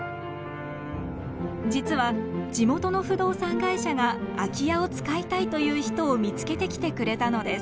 実は地元の不動産会社が空き家を使いたいという人を見つけてきてくれたのです。